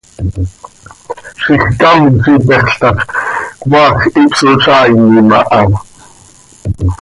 Zixcám z ipexl ta x, cmaax ihpsozaainim aha.